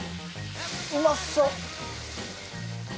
うまそう。